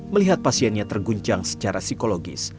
melihat pasiennya terguncang secara psikologis